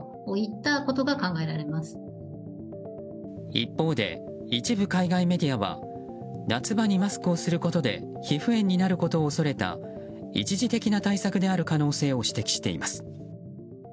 一方で一部海外メディアは夏場にマスクをすることで皮膚炎になることを恐れた一時的な対策である可能性を指摘しています。